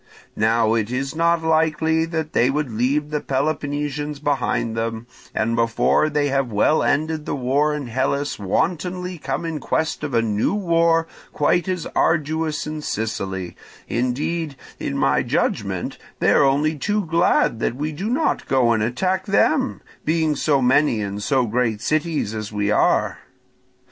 Now it is not likely that they would leave the Peloponnesians behind them, and before they have well ended the war in Hellas wantonly come in quest of a new war quite as arduous in Sicily; indeed, in my judgment, they are only too glad that we do not go and attack them, being so many and so great cities as we are.